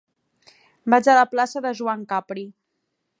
Vaig a la plaça de Joan Capri.